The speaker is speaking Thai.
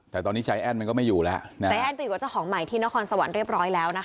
แต่ตอนนี้ใจแอ้นมันก็ไม่อยู่แล้วนะใจแอ้นไปอยู่กับเจ้าของใหม่ที่นครสวรรค์เรียบร้อยแล้วนะคะ